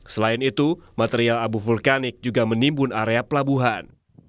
selain itu material abu vulkanik juga menimbun area pelabuhan